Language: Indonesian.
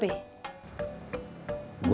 bisa enggak enggak